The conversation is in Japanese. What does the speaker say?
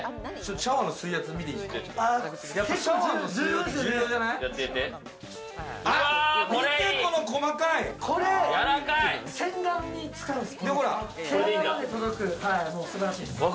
シャワーの水圧見てもいいですか？